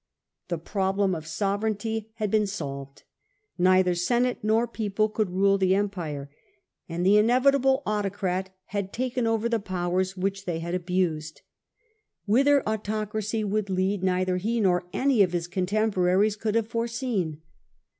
The problem of sovereignty had been solved; neither Senate nor People coxild rule the empire, and the in CJSSAB 340 evitable autocrat had taken over the powers which they had abused. Whither autocracy would lead neither he nor any of his contemporaries could have foreseen.